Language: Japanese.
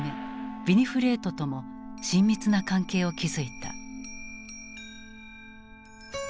ヴィニフレートとも親密な関係を築いた。